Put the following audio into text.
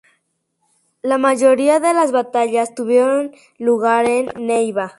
La mayoría de las batallas tuvieron lugar en Neiba.